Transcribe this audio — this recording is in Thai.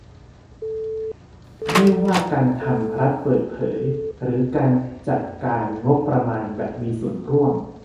ไม่ว่าการทำ รัฐเปิดเผย หรือ การจัดการงบประมาณแบบมีส่วนร่วม